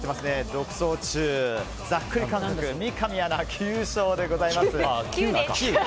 独走中、ざっくり感覚三上アナが９勝でございます。